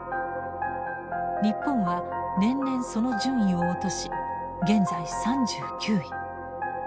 日本は年々その順位を落とし現在３９位。